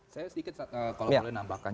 saya sedikit kalau boleh nambahkan